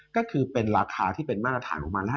ก็คือเป็นราคาที่เป็นมาตรฐานของมันแล้ว